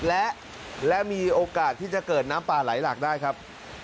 และมีโอกาสที่จะเกิดน้ำป่าไหลหลากได้ครับ